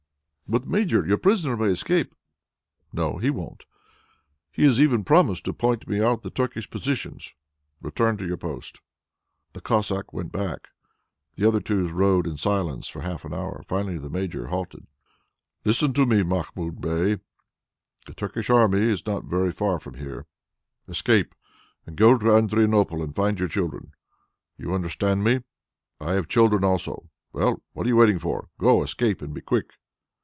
"But, Major, your prisoner may escape." "No, he won't; he has even promised to point me out the Turkish positions. Return to your post." The Cossack went back. The two others rode in silence for half an hour. Finally the Major halted. "Listen to me, Mahmoud Bey. The Turkish army is not very far from here. Escape, and go to Adrianople to find your children. You understand me? I have children also. Well, what are you waiting for? Go, escape, and be quick.